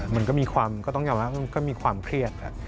มันก็มีความก็ต้องยอมรับมันก็มีความเครียด